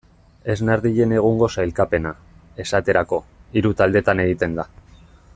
Esne ardien egungo sailkapena, esaterako, hiru taldetan egiten da.